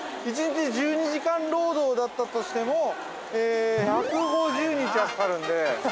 ◆１時１２時間労働だったとしても１５０日はかかるんで。